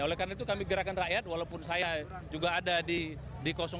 oleh karena itu kami gerakan rakyat walaupun saya juga ada di dua